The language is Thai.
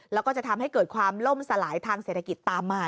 แล้วก็จะทำให้เกิดความล่มสลายทางเศรษฐกิจตามมา